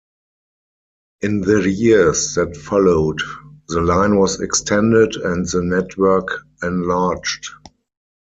In the years that followed, the line was extended and the network enlarged.